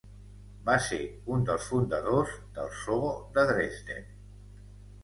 Va ser un dels fundadors del zoo de Dresden.